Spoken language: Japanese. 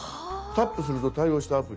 「タップすると対応したアプリ」。